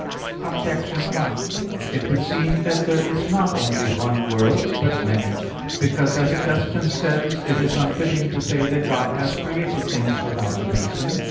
Objection 1: It would seem that there is not only one world, but many. Because, as Augustine says (QQ. 83, qu. 46), it is unfitting to say that God has created things without a reason.